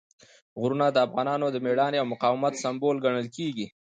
غرونه د افغانانو د مېړانې او مقاومت سمبول ګڼل کېږي.